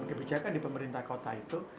kebijakan di pemerintah kota itu